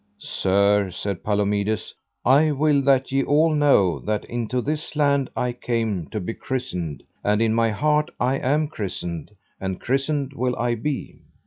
Sir, said Palomides, I will that ye all know that into this land I came to be christened, and in my heart I am christened and christened will I be.